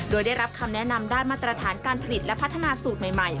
โดยได้รับคำแนะนำด้านมาตรฐานการผลิตและพัฒนาสูตรใหม่